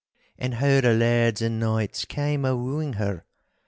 And how the lairds and knights came a wooing her!